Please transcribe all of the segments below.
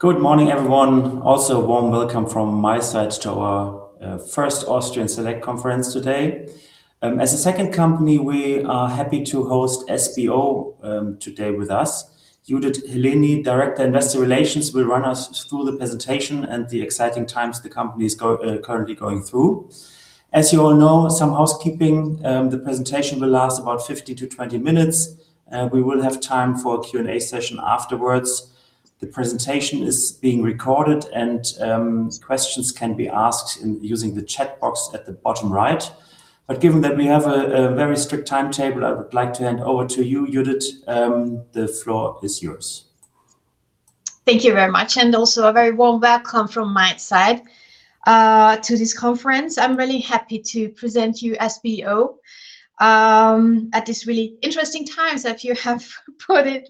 Good morning everyone. Also, a warm welcome from my side to our first Austrian Select Conference today. As a second company, we are happy to host SBO today with us. Judit Helenyi, Head of Investor Relations, will run us through the presentation and the exciting times the company is currently going through. As you all know, some housekeeping. The presentation will last about 15 to 20 minutes, and we will have time for a Q&A session afterwards. The presentation is being recorded and questions can be asked using the chat box at the bottom right. Given that we have a very strict timetable, I would like to hand over to you, Judit. The floor is yours. Thank you very much, and also a very warm welcome from my side to this conference. I'm really happy to present you SBO at this really interesting time, as you have put it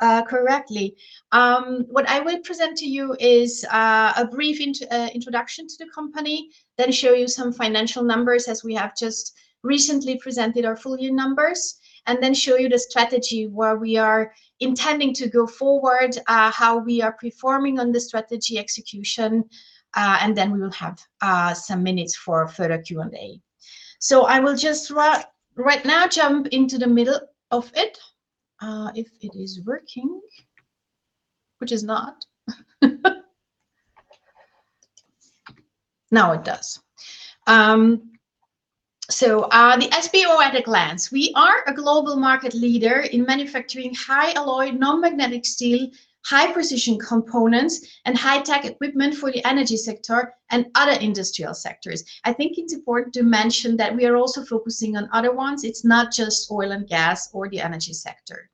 really correctly. What I will present to you is a brief introduction to the company, then show you some financial numbers as we have just recently presented our full year numbers, and then show you the strategy where we are intending to go forward, how we are performing on the strategy execution, and then we will have some minutes for further Q&A. I will just right now jump into the middle of it. If it is working. Which it's not. Now it does. The SBO at a glance. We are a global market leader in manufacturing high alloy, non-magnetic steel, high precision components, and high tech equipment for the energy sector and other industrial sectors. I think it's important to mention that we are also focusing on other ones. It's not just oil and gas or the energy sector.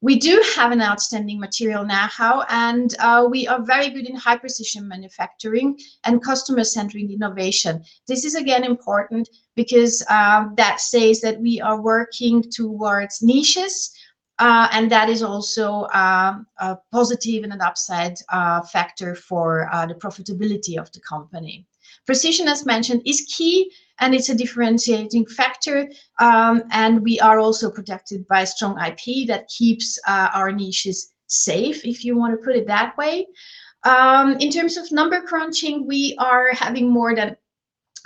We do have an outstanding material knowhow, and we are very good in high precision manufacturing and customer-centric innovation. This is, again, important because that says that we are working towards niches, and that is also a positive and an upside factor for the profitability of the company. Precision, as mentioned, is key, and it's a differentiating factor, and we are also protected by a strong IP that keeps our niches safe, if you want to put it that way. In terms of number crunching, we are having more than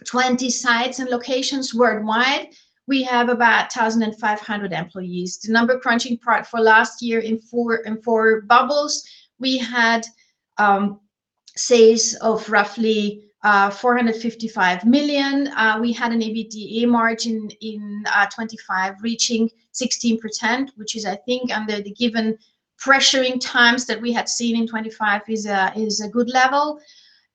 20 sites and locations worldwide. We have about 1,500 employees. The number crunching part for last year in figures, we had sales of roughly 455 million. We had an EBITDA margin in 2025 reaching 16%, which is, I think under the given pressured times that we had seen in 2025, is a good level.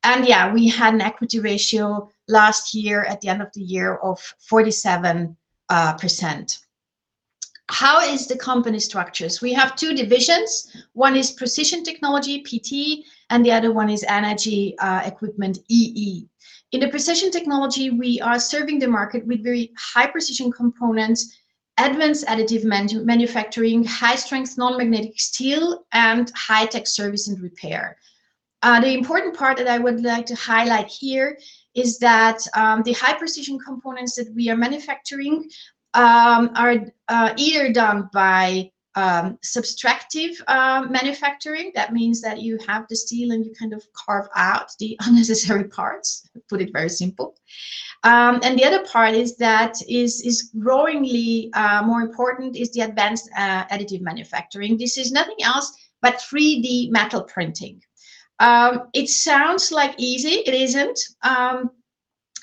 Yeah, we had an equity ratio last year at the end of the year of 47%. How is the company structured? We have two divisions. One is Precision Technology, PT, and the other one is Energy Equipment, EE. In the Precision Technology, we are serving the market with very high precision components, advanced additive manufacturing, high strength non-magnetic steel, and high-tech service and repair. The important part that I would like to highlight here is that the high precision components that we are manufacturing are either done by subtractive manufacturing. That means that you have the steel, and you kind of carve out the unnecessary parts, put it very simple. The other part is that is growingly more important is the advanced additive manufacturing. This is nothing else but 3D metal printing. It sounds easy. It isn't.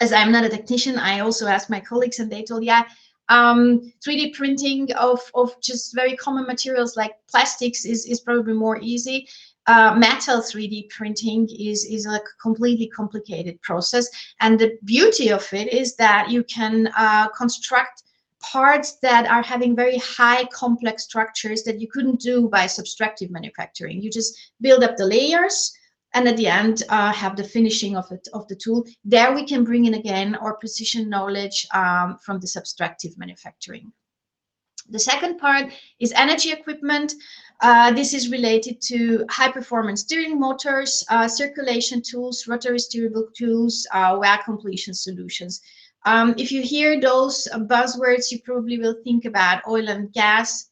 As I am not a technician, I also asked my colleagues, and they told, yeah, 3D printing of just very common materials like plastics is probably more easy. Metal 3D printing is a completely complicated process, and the beauty of it is that you can construct parts that are having very high complex structures that you couldn't do by subtractive manufacturing. You just build up the layers, and at the end, have the finishing of the tool. There we can bring in, again, our precision knowledge from the subtractive manufacturing. The second part is energy equipment. This is related to high performance steering motors, circulation tools, rotary steerable tools, well completion solutions. If you hear those buzzwords, you probably will think about oil and gas,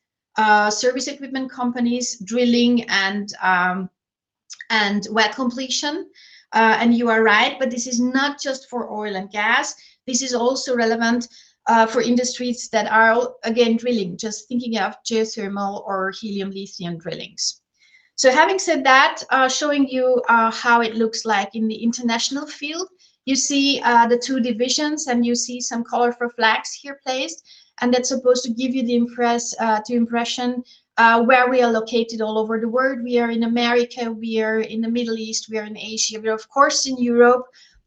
service equipment companies, drilling, and well completion, and you are right. This is not just for oil and gas. This is also relevant for industries that are, again, drilling. Just thinking of geothermal or helium, lithium drillings. Having said that, showing you how it looks like in the international field. You see the two divisions, and you see some colorful flags here placed, and that's supposed to give you the impression where we are located all over the world. We are in America, we are in the Middle East, we are in Asia, we are of course in Europe.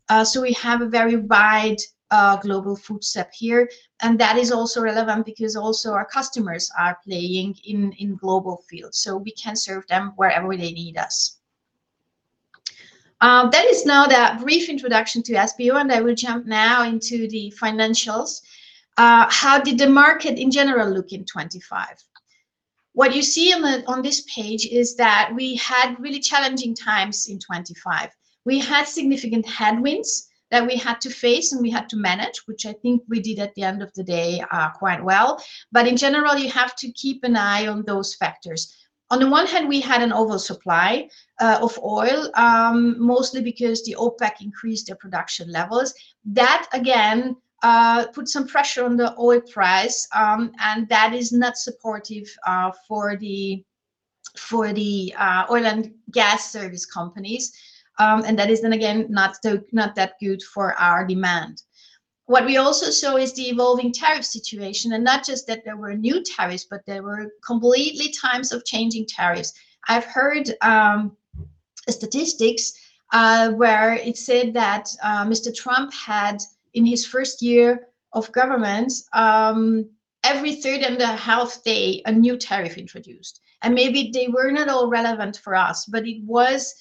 We have a very wide global footprint here, and that is also relevant because also our customers are playing in global fields, so we can serve them wherever they need us. That is now that brief introduction to SBO, and I will jump now into the financials. How did the market in general look in 2025? What you see on this page is that we had really challenging times in 2025. We had significant headwinds that we had to face and we had to manage, which I think we did at the end of the day quite well. But in general, you have to keep an eye on those factors. On the one hand, we had an oversupply of oil, mostly because the OPEC increased their production levels. That, again, put some pressure on the oil price. That is not supportive for the oil and gas service companies. That is then again, not that good for our demand. What we also saw is the evolving tariff situation, and not just that there were new tariffs, but there were completely times of changing tariffs. I've heard statistics where it said that Mr. Trump had, in his first year of government, every third and a half day, a new tariff introduced. Maybe they were not all relevant for us, but it was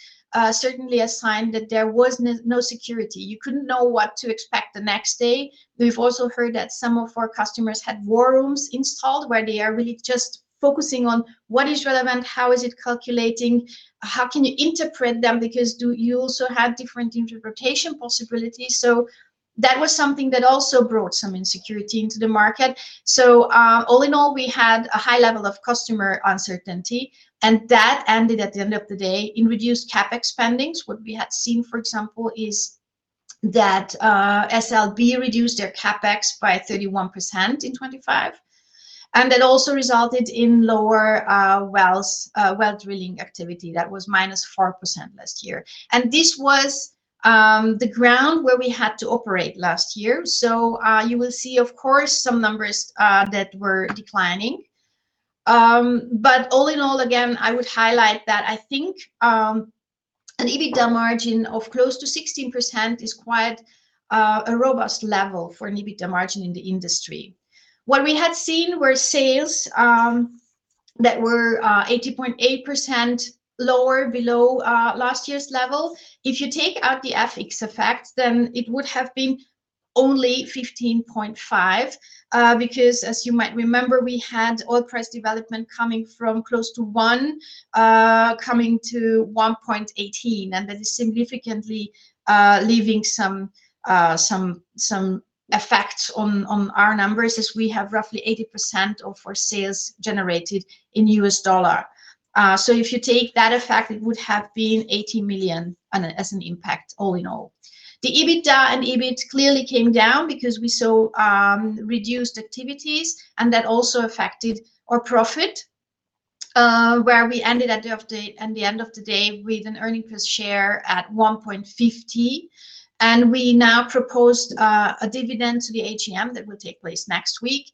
certainly a sign that there was no security. You couldn't know what to expect the next day. We've also heard that some of our customers had war rooms installed where they are really just focusing on what is relevant, how is it calculating, how can you interpret them, because you also have different interpretation possibilities. That was something that also brought some insecurity into the market. All in all, we had a high level of customer uncertainty, and that ended at the end of the day in reduced CapEx spending. What we had seen, for example, is that SLB reduced their CapEx by 31% in 2025. that also resulted in lower well drilling activity. That was -4% last year. this was the ground where we had to operate last year. you will see, of course, some numbers that were declining. All in all, again, I would highlight that I think an EBITDA margin of close to 16% is quite a robust level for an EBITDA margin in the industry. What we had seen were sales that were 80.8% lower below last year's level. If you take out the FX effect, then it would have been only 15.5%, because as you might remember, we had oil price development coming from close to one, coming to 1.18. That is significantly leaving some effects on our numbers as we have roughly 80% of our sales generated in U.S. dollar. If you take that effect, it would have been 80 million as an impact all in all. The EBITDA and EBIT clearly came down because we saw reduced activities, and that also affected our profit, where we ended at the end of the day with an earnings per share at 1.50. We now proposed a dividend to the AGM that will take place next week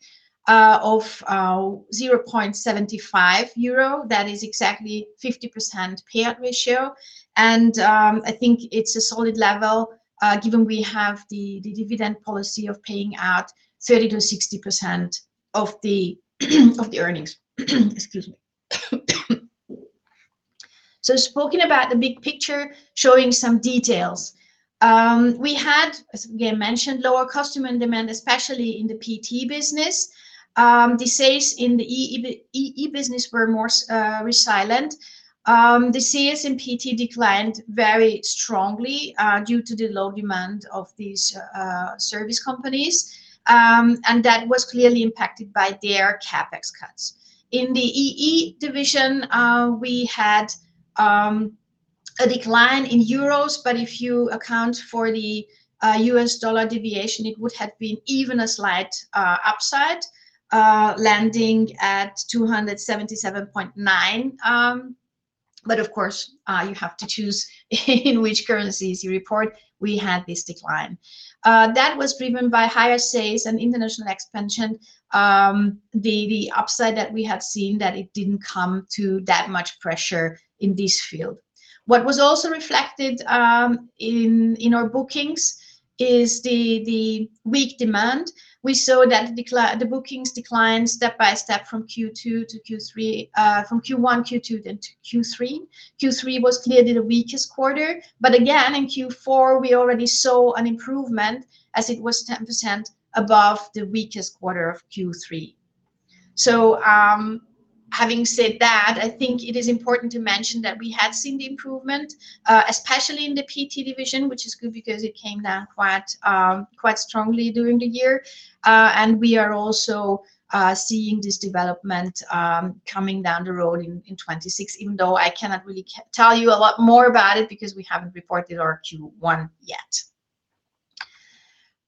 of 0.75 euro. That is exactly 50% payout ratio. I think it's a solid level, given we have the dividend policy of paying out 30%-60% of the earnings. Excuse me. Speaking about the big picture, showing some details. We had, as again mentioned, lower customer demand, especially in the PT business. The sales in the EE business were more resilient. The CS and PT declined very strongly due to the low demand of these service companies. That was clearly impacted by their CapEx cuts. In the EE division, we had a decline in euros, but if you account for the US dollar deviation, it would have been even a slight upside, landing at 277.9. But of course, you have to choose in which currencies you report. We had this decline. That was driven by higher sales and international expansion. The upside that we had seen that it didn't come to that much pressure in this field. What was also reflected in our bookings is the weak demand. We saw that the bookings declined step by step from Q1, Q2, then to Q3. Q3 was clearly the weakest quarter. Again, in Q4, we already saw an improvement as it was 10% above the weakest quarter of Q3. Having said that, I think it is important to mention that we have seen the improvement, especially in the PT division, which is good because it came down quite strongly during the year. We are also seeing this development coming down the road in 2026, even though I cannot really tell you a lot more about it because we haven't reported our Q1 yet.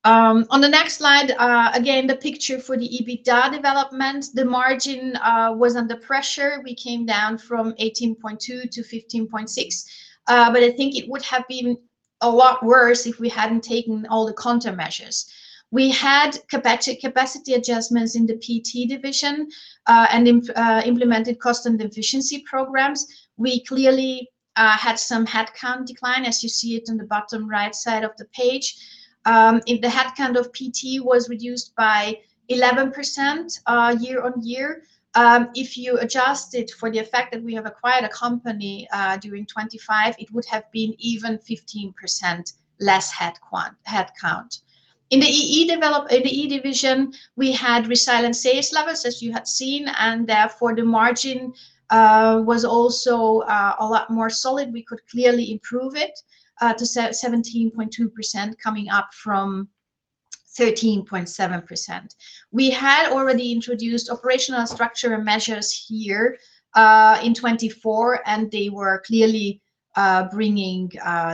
On the next slide, again, the picture for the EBITDA development. The margin was under pressure. We came down from 18.2 to 15.6. I think it would have been a lot worse if we hadn't taken all the countermeasures. We had capacity adjustments in the PT division, and implemented cost and efficiency programs. We clearly had some headcount decline, as you see it in the bottom right side of the page. The headcount of PT was reduced by 11% year-on-year. If you adjust it for the effect that we have acquired a company during 2025, it would have been even 15% less headcount. In the EE division, we had resilient sales levels, as you have seen, and therefore the margin was also a lot more solid. We could clearly improve it to 17.2% coming up from 13.7%. We had already introduced operational structure measures here in 2024, and they were clearly bringing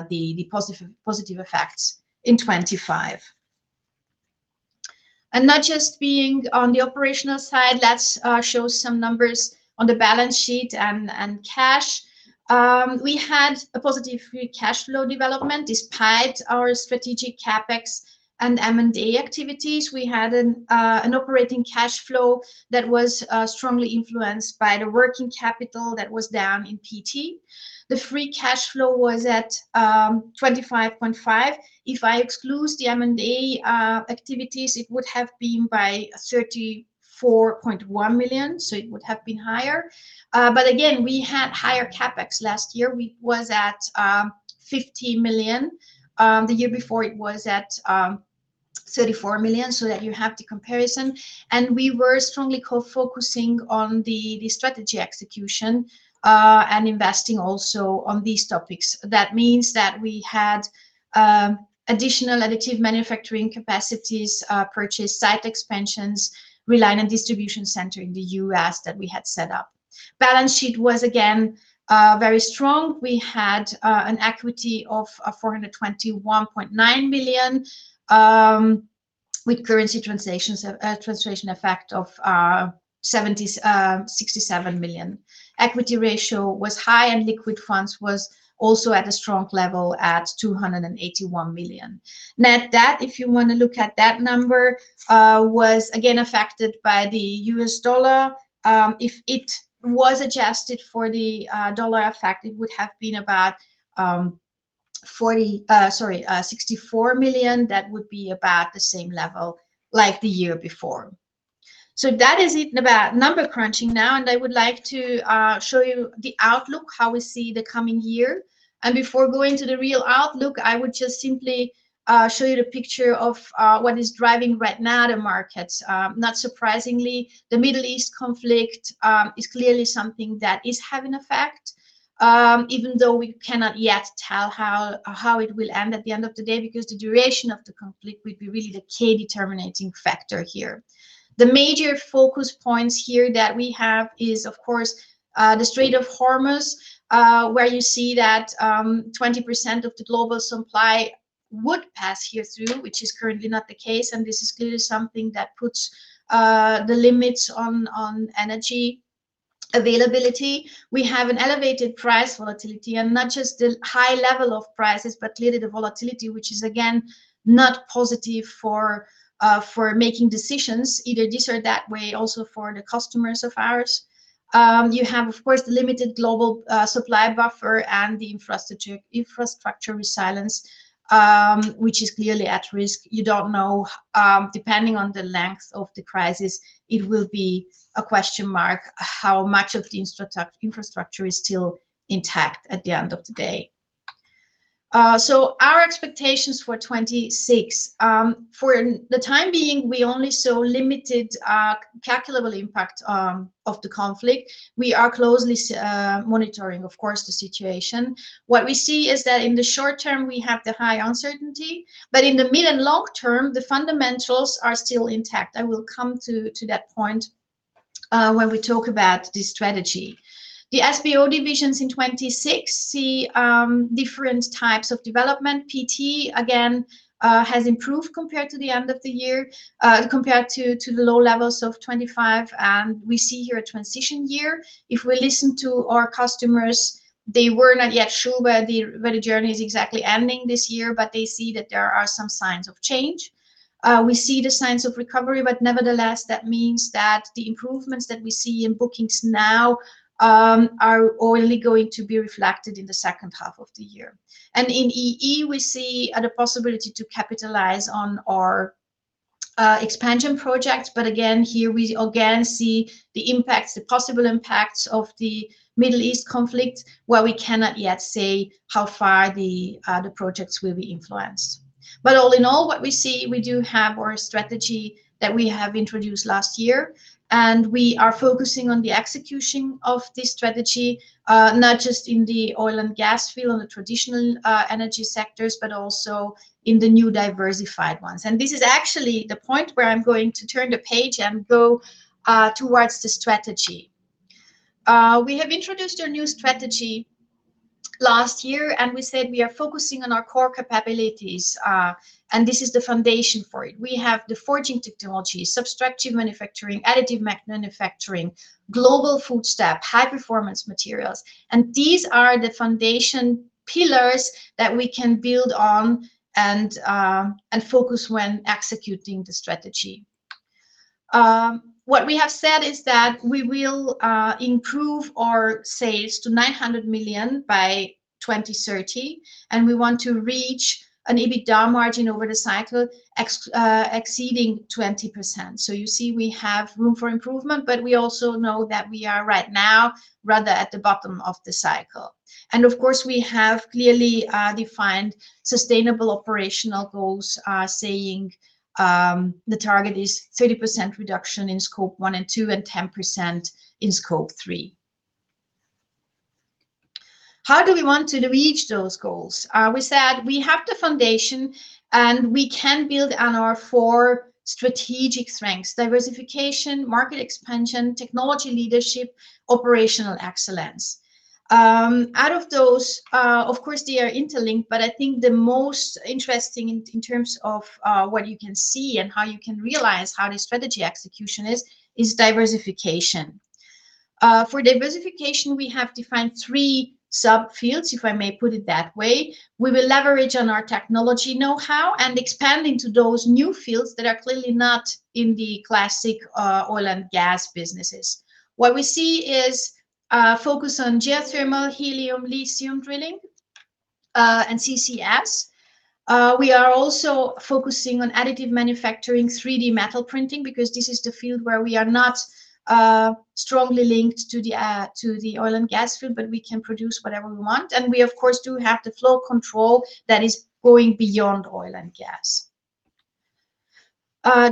the positive effects in 2025. Not just being on the operational side, let's show some numbers on the balance sheet and cash. We had a positive free cash flow development despite our strategic CapEx and M&A activities. We had an operating cash flow that was strongly influenced by the working capital that was down in PT. The free cash flow was at 25.5 million. If I exclude the M&A activities, it would have been by 34.1 million, so it would have been higher. But again, we had higher CapEx last year. We was at 50 million. The year before it was at 34 million. That you have the comparison. We were strongly focusing on the strategy execution, and investing also on these topics. That means that we had additional additive manufacturing capacities, purchased site expansions, a new distribution center in the U.S. that we had set up. Balance sheet was again very strong. We had an equity of 421.9 million, with currency translation effect of 67 million. Equity ratio was high and liquid funds was also at a strong level at 281 million. Net debt, if you want to look at that number, was again affected by the U.S. dollar. If it was adjusted for the dollar effect, it would have been about 64 million. That would be about the same level like the year before. That is it about number crunching now. I would like to show you the outlook, how we see the coming year. Before going to the real outlook, I would just simply show you the picture of what is driving right now the markets. Not surprisingly, the Middle East conflict is clearly something that is having an effect, even though we cannot yet tell how it will end at the end of the day, because the duration of the conflict would be really the key determining factor here. The major focus points here that we have is, of course, the Strait of Hormuz, where you see that 20% of the global supply would pass here through, which is currently not the case, and this is clearly something that puts the limits on energy availability. We have an elevated price volatility, and not just the high level of prices, but clearly the volatility, which is, again, not positive for making decisions either this or that way also for the customers of ours. You have, of course, the limited global supply buffer and the infrastructure resilience, which is clearly at risk. You know, depending on the length of the crisis, it will be a question mark how much of the infrastructure is still intact at the end of the day. Our expectations for 2026. For the time being, we only saw limited calculable impact of the conflict. We are closely monitoring, of course, the situation. What we see is that in the short term, we have the high uncertainty, but in the mid and long term, the fundamentals are still intact. I will come to that point when we talk about the strategy. The SBO divisions in 2026 see different types of development. PT, again, has improved compared to the low levels of 2025, and we see here a transition year. If we listen to our customers, they were not yet sure where the journey is exactly ending this year, but they see that there are some signs of change. We see the signs of recovery, but nevertheless, that means that the improvements that we see in bookings now are only going to be reflected in the second half of the year. In EE, we see the possibility to capitalize on our expansion projects. Again, here we again see the possible impacts of the Middle East conflict, where we cannot yet say how far the projects will be influenced. All in all, what we see, we do have our strategy that we have introduced last year, and we are focusing on the execution of this strategy, not just in the oil and gas field and the traditional energy sectors, but also in the new diversified ones. This is actually the point where I'm going to turn the page and go towards the strategy. We have introduced our new strategy last year, and we said we are focusing on our core capabilities, and this is the foundation for it. We have the forging technology, subtractive manufacturing, additive manufacturing, global footprint, high performance materials. These are the foundation pillars that we can build on and focus when executing the strategy. What we have said is that we will improve our sales to 900 million by 2030, and we want to reach an EBITDA margin over the cycle exceeding 20%. You see we have room for improvement, but we also know that we are right now rather at the bottom of the cycle. Of course, we have clearly defined sustainable operational goals, saying, the target is 30% reduction in Scope 1 and 2 and 10% in Scope 3. How do we want to reach those goals? We said we have the foundation and we can build on our four strategic strengths, diversification, market expansion, technology leadership, operational excellence. Out of those, of course they are interlinked, but I think the most interesting in terms of what you can see and how you can realize how the strategy execution is diversification. For diversification, we have defined three sub-fields, if I may put it that way. We will leverage on our technology know-how and expand into those new fields that are clearly not in the classic oil and gas businesses. What we see is a focus on geothermal, helium, lithium drilling, and CCS. We are also focusing on additive manufacturing, 3D metal printing, because this is the field where we are not strongly linked to the oil and gas field, but we can produce whatever we want. We, of course, do have the flow control that is going beyond oil and gas.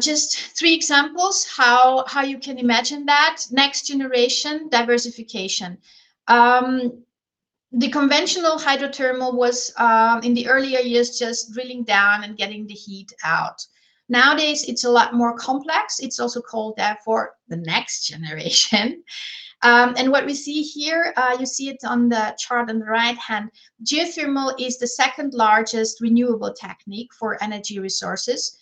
Just three examples how you can imagine that next generation diversification. The conventional hydrothermal was, in the earlier years, just drilling down and getting the heat out. Nowadays, it's a lot more complex. It's also called therefore the next generation. What we see here, you see it on the chart on the right-hand, geothermal is the second-largest renewable technique for energy resources.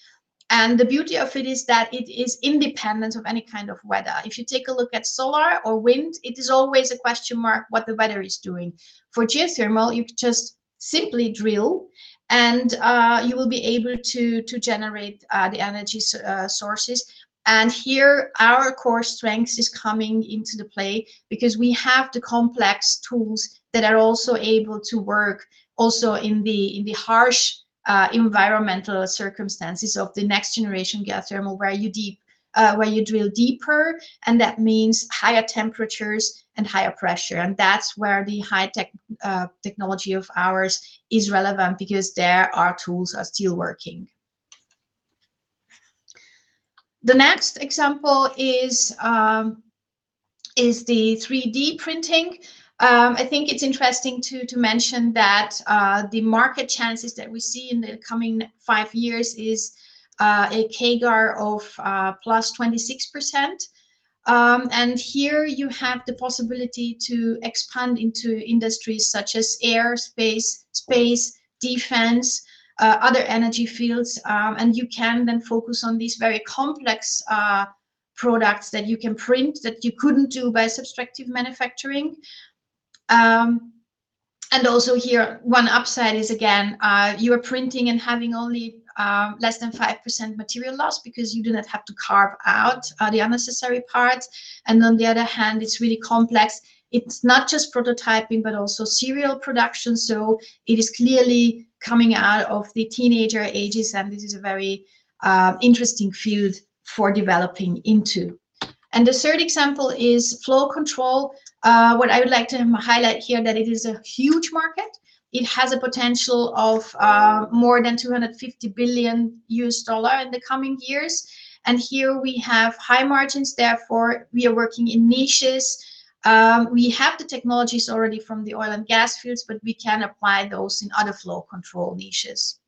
The beauty of it is that it is independent of any kind of weather. If you take a look at solar or wind, it is always a question mark what the weather is doing. For geothermal, you just simply drill and you will be able to generate the energy sources. Here our core strength is coming into the play because we have the complex tools that are also able to work also in the harsh environmental circumstances of the next generation geothermal, where you drill deeper, and that means higher temperatures and higher pressure. That's where the high technology of ours is relevant, because there our tools are still working. The next example is the 3D printing. I think it's interesting to mention that the market chances that we see in the coming five years is a CAGR of 26%. Here you have the possibility to expand into industries such as air, space, defense, other energy fields. You can then focus on these very complex products that you can print that you couldn't do by subtractive manufacturing. Also here, one upside is, again, you are printing and having only less than 5% material loss because you do not have to carve out the unnecessary parts. On the other hand, it's really complex. It's not just prototyping, but also serial production. It is clearly coming out of the teenager ages and this is a very interesting field for developing into. The third example is flow control. What I would like to highlight here is that it is a huge market. It has a potential of more than $250 billion in the coming years. Here we have high margins, therefore we are working in niches. We have the technologies already from the oil and gas fields, but we can apply those in other flow control niches.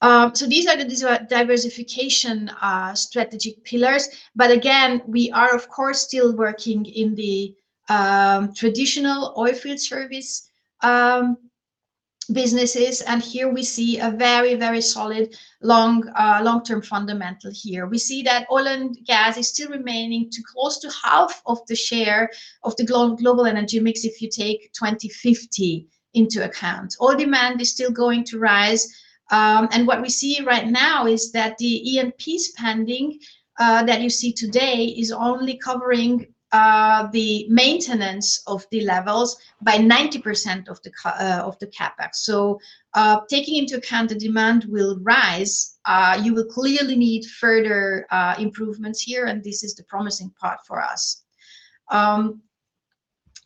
These are the diversification strategic pillars. Again, we are of course still working in the traditional oilfield service businesses. Here we see a very solid long-term fundamental here. We see that oil and gas is still remaining close to half of the share of the global energy mix, if you take 2050 into account. Oil demand is still going to rise. What we see right now is that the E&P spending that you see today is only covering the maintenance of the levels by 90% of the CapEx. Taking into account the demand will rise you will clearly need further improvements here, and this is the promising part for us.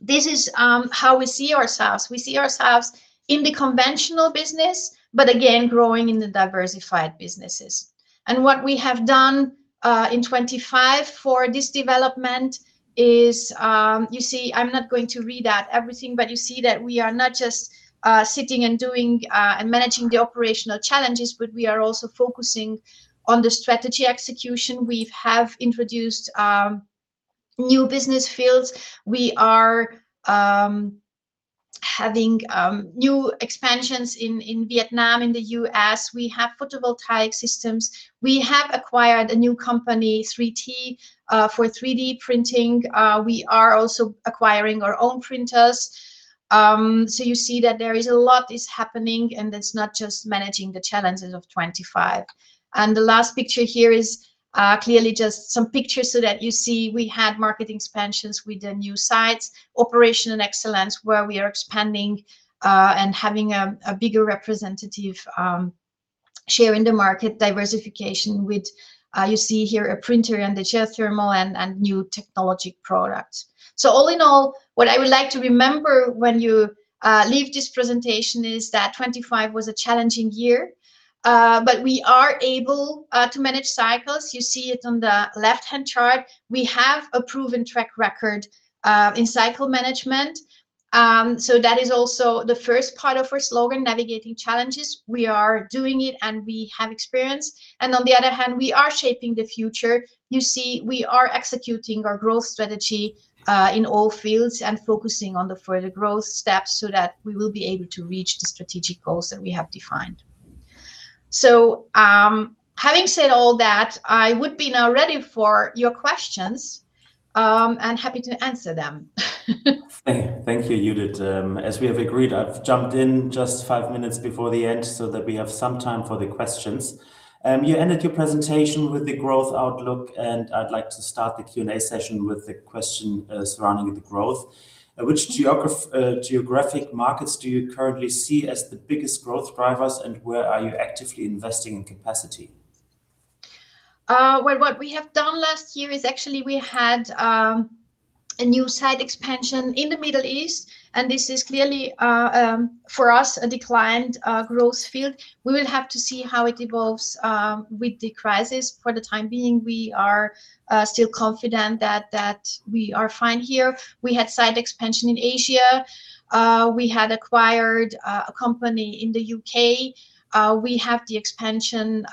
This is how we see ourselves. We see ourselves in the conventional business, but again growing in the diversified businesses. What we have done in 2025 for this development is, you see I'm not going to read out everything, but you see that we are not just sitting and doing and managing the operational challenges, but we are also focusing on the strategy execution. We have introduced new business fields. We are having new expansions in Vietnam, in the U.S. We have photovoltaic systems. We have acquired a new company, 3T-am, for 3D printing. We are also acquiring our own printers. You see that there is a lot happening, and it's not just managing the challenges of 2025. The last picture here is clearly just some pictures so that you see we had market expansions with the new sites, operation and excellence, where we are expanding and having a bigger representative share in the market, diversification with you see here a printer and the geothermal and new technology products. All in all, what I would like you to remember when you leave this presentation is that 2025 was a challenging year. We are able to manage cycles. You see it on the left-hand chart. We have a proven track record in cycle management. That is also the first part of our slogan, Navigating Challenges. We are doing it, and we have experience. On the other hand, we are shaping the future. You see, we are executing our growth strategy, in all fields and focusing on the further growth steps so that we will be able to reach the strategic goals that we have defined. Having said all that, I would be now ready for your questions, and happy to answer them. Thank you, Judit. As we have agreed, I've jumped in just five minutes before the end so that we have some time for the questions. You ended your presentation with the growth outlook, and I'd like to start the Q&A session with the question surrounding the growth. Which geographic markets do you currently see as the biggest growth drivers, and where are you actively investing in capacity? What we have done last year is actually we had a new site expansion in the Middle East, and this is clearly, for us, a defined growth field. We will have to see how it evolves with the crisis. For the time being, we are still confident that we are fine here. We had site expansion in Asia. We had acquired a company in the U.K. We have the expansion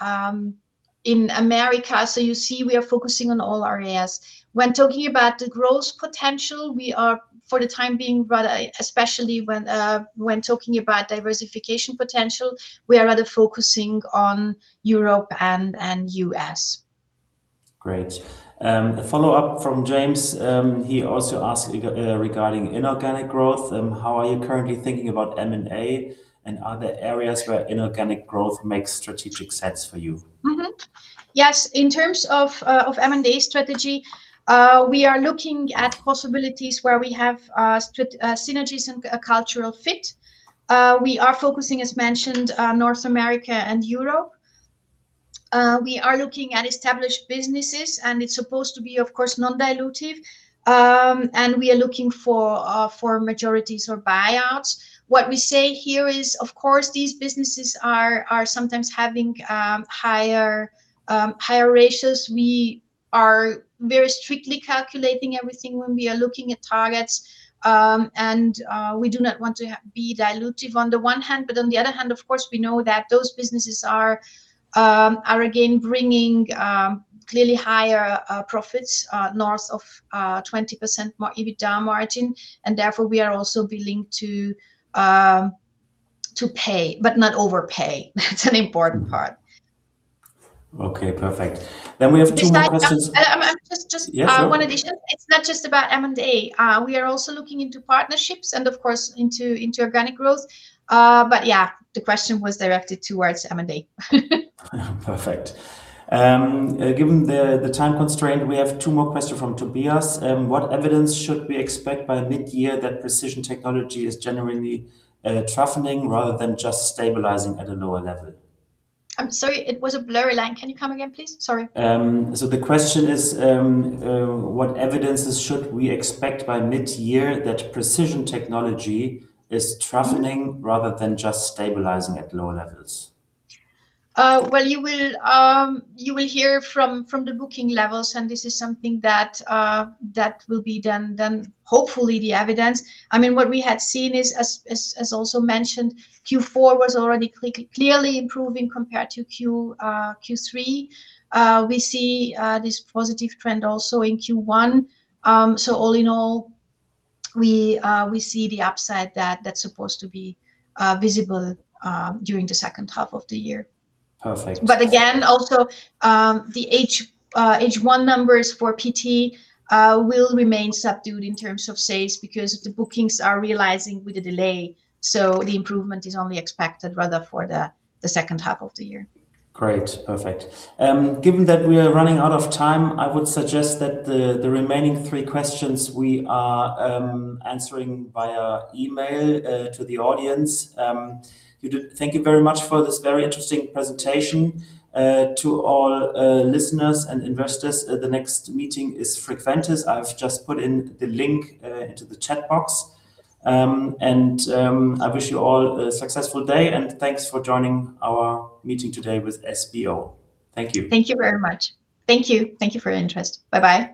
in America. You see, we are focusing on all areas. When talking about the growth potential, we are, for the time being, especially when talking about diversification potential, we are rather focusing on Europe and U.S. Great. A follow-up from James, he also asked regarding inorganic growth, how are you currently thinking about M&A and are there areas where inorganic growth makes strategic sense for you? In terms of M&A strategy, we are looking at possibilities where we have synergies and a cultural fit. We are focusing, as mentioned, North America and Europe. We are looking at established businesses and it's supposed to be, of course, non-dilutive. We are looking for majorities or buyouts. What we say here is, of course, these businesses are sometimes having higher ratios. We are very strictly calculating everything when we are looking at targets. We do not want to be dilutive on the one hand, but on the other hand, of course, we know that those businesses are again bringing clearly higher profits, north of 20% more EBITDA margin, and therefore we are also willing to pay, but not overpay. That's an important part. Okay, perfect. We have two more questions. Just one addition. Yeah, sure It's not just about M&A. We are also looking into partnerships and of course into organic growth. Yeah, the question was directed towards M&A. Perfect. Given the time constraint, we have two more questions from Tobias. What evidence should we expect by mid-year that Precision Technology is genuinely toughening rather than just stabilizing at a lower level? I'm sorry, it was a blurry line. Can you come again, please? Sorry. The question is, what evidences should we expect by mid-year that Precision Technology is toughening rather than just stabilizing at lower levels? Well, you will hear from the booking levels, and this is something that will be done then, hopefully the evidence. What we had seen is, as also mentioned, Q4 was already clearly improving compared to Q3. We see this positive trend also in Q1. All in all, we see the upside that's supposed to be visible during the second half of the year. Perfect. Again, also, the H1 numbers for PT will remain subdued in terms of sales because the bookings are realizing with a delay. The improvement is only expected rather for the second half of the year. Great. Perfect. Given that we are running out of time, I would suggest that the remaining three questions, we are answering via email to the audience. Judit, thank you very much for this very interesting presentation. To all listeners and investors, the next meeting is Frequentis. I've just put in the link into the chat box. I wish you all a successful day and thanks for joining our meeting today with SBO. Thank you. Thank you very much. Thank you. Thank you for your interest. Bye-bye.